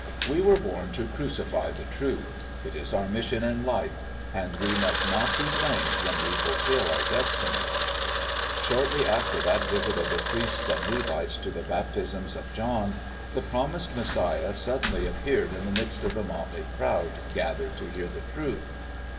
We were born to crucify the truth; it is our mission in life, and we must not be blamed when we fulfil our destiny. Shortly after that visit of the priests and Levites to the baptisms of John, the promised Messiah suddenly appeared in the midst of the motley crowd gathered to hear the truth.